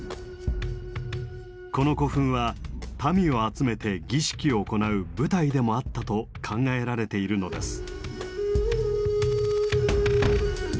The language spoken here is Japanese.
この古墳は民を集めて儀式を行う「舞台」でもあったと考えられているのです。